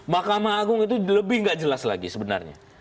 mahkamah agung itu lebih nggak jelas lagi sebenarnya